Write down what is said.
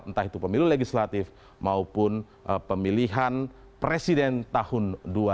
entah itu pemilu legislatif maupun pemilihan presiden tahun dua ribu sembilan belas